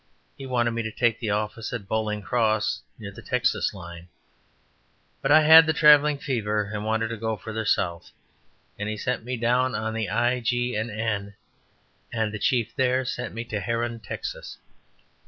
He wanted me to take the office at Boling Cross, near the Texas line, but I had the traveling fever and wanted to go further south, and he sent me down on the I. & G. N., and the chief there sent me to Herron, Texas.